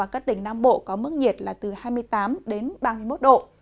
các tỉnh nam bộ có mức nhiệt là từ hai mươi tám đến ba mươi một độ